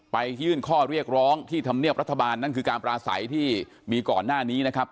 ไปยื่นข้อเรียกร้องที่ธรรมเนียบรัฐบาลนั่นคือการปราศัยที่มีก่อนหน้านี้นะครับ